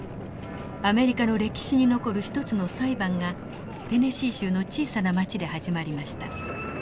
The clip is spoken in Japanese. アメリカの歴史に残る一つの裁判がテネシー州の小さな町で始まりました。